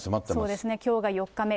そうですね、きょうが４日目。